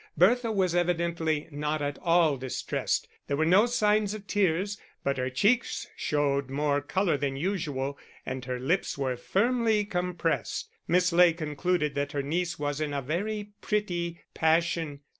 Bertha was evidently not at all distressed; there were no signs of tears, but her cheeks showed more colour than usual, and her lips were firmly compressed; Miss Ley concluded that her niece was in a very pretty passion.